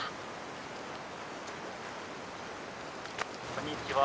こんにちは。